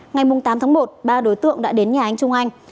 ngày tám tháng một ba đối tượng đã đến nhà anh trung anh